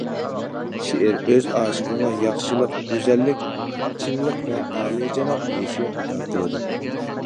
شېئىر ئۆز ئاشىقىغا ياخشىلىق، گۈزەللىك، چىنلىق ۋە ئالىيجاناب ھېسسىيات ئاتا قىلىدۇ.